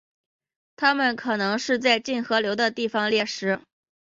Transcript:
它们可能是在近河流的地方猎食。